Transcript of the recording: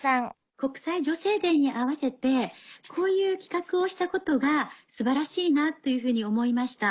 国際女性デーに合わせてこういう企画をしたことが素晴らしいなというふうに思いました。